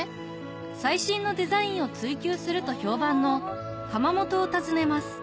最新のデザインを追求すると評判の窯元を訪ねます